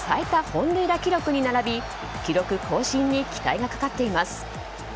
本塁打記録に並び記録更新に期待がかかっています。